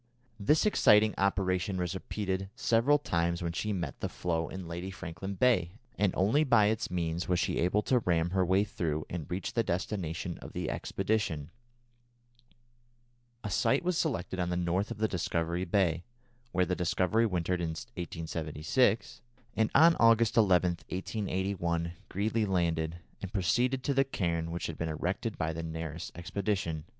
This exciting operation was repeated several times when she met the floe in Lady Franklin Bay, and only by its means was she able to ram her way through and reach the destination of the expedition. A site for landing was selected on the north of Discovery Bay (where the Discovery wintered in 1876), and on August 11, 1881, Greely landed, and proceeded to the cairn which had been erected by the Nares expedition.